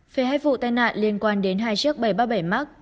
về hai vụ tai nạn liên quan đến hai chiếc bảy trăm ba mươi bảy max